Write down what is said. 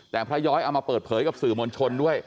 แต่พระย้อยเอามาเปิดเผยกับสื่อมวลชนด้วย